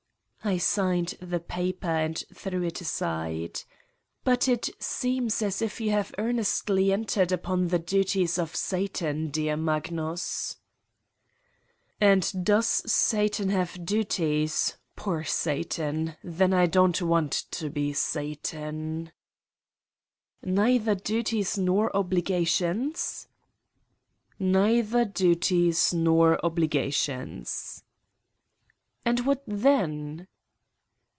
..." I signed the paper and threw it aside. "But it seems as if you have ear nestly entered upon the duties of Satan, dear Magnus !" "And does Satan have duties? Poor Satan! Then I don't want to be Satan!" "Neither duties nor obligations?" "Neither duties nor obligations." "And what then?"